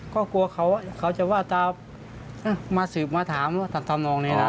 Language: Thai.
ก็กลัวเขาจะว่าตามาถามตอนนอกนี้นะ